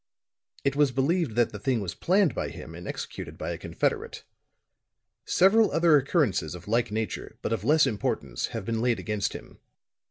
It was believed that the thing was planned by him and executed by a confederate. Several other occurrences of like nature, but of less importance, have been laid against him.